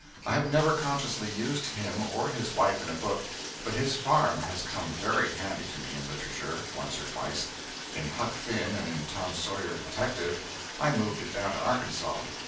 I have never consciously used him or his wife in a book, but his farm has come very handy to me in literature, once or twice. In "Huck Finn" and in "Tom Sawyer Detective" I moved it down to Arkansas.